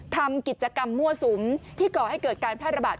ทำกิจกรรมมั่วสุมที่ก่อให้เกิดการแพร่ระบาด